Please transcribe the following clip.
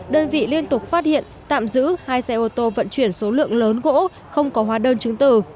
đơn vị liên tục phát hiện tạm giữ hai xe ô tô vận chuyển số lượng lớn gỗ không có hóa đơn chứng tử